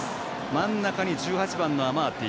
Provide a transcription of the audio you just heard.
真ん中に１８番のアマーティ。